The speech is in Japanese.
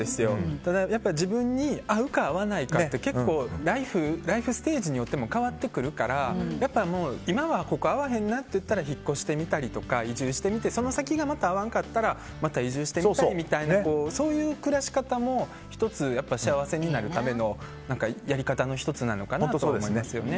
ただ自分に合うか合わないかって結構、ライフステージによっても変わってくるから今はここ合わへんなってなったら引っ越してみたりとか移住してみてその先が合わなかったらまた移住してみたりみたいなそういう暮らし方も１つ、幸せになるためのやり方の１つなのかなと思いますよね。